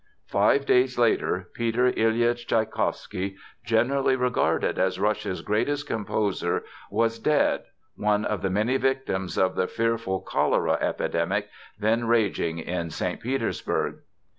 _" Five days later, Peter Ilyitch Tschaikowsky, generally regarded as Russia's greatest composer, was dead, one of the many victims of the fearful cholera epidemic then raging in St. Petersburg.